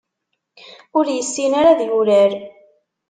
Ur yessin ara ad yurar.